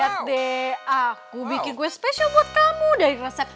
saya bikin kue personally buat kamu dari resep